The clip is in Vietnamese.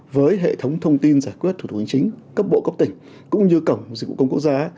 với hệ thống thông tin giải quyết thủ tục hành chính cấp bộ cấp tỉnh cũng như cổng dịch vụ công quốc gia